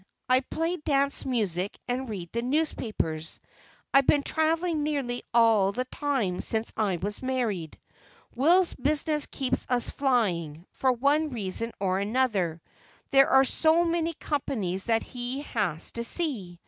I play dance music, and read the newspapers. I've been traveling nearly all the time since I was married. Will's business keeps us flying, for one reason or another, there are so many companies that he has to see.